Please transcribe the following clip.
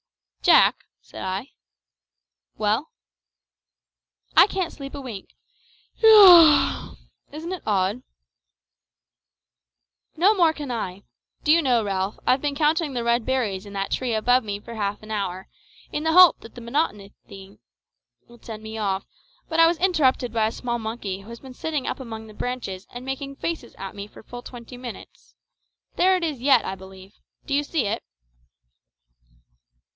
"Jack," said I. "Well?" "I can't sleep a wink. Ye a ow! isn't it odd?" "No more can I. Do you know, Ralph, I've been counting the red berries in that tree above me for half an hour, in the hope that the monotony of the thing would send me off; but I was interrupted by a small monkey who has been sitting up among the branches and making faces at me for full twenty minutes. There it is yet, I believe. Do you see it?"